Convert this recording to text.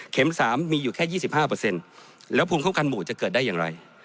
เข็มสามมีอยู่แค่ยี่สิบห้าเปอร์เซ็นต์แล้วภูมิเครื่องการหมู่จะเกิดได้อย่างไร